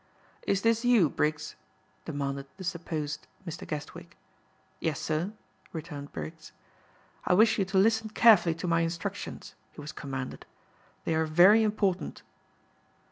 "Is this you, Briggs?" demanded the supposed Mr. Guestwick. "Yes, sir," returned Briggs. "I wish you to listen carefully to my instructions," he was commanded. "They are very important."